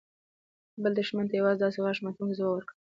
بل دښمن ته يو داسې غاښ ماتونکى ځواب ورکړل.